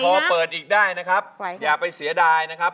พอเปิดอีกได้นะครับอย่าไปเสียดายนะครับ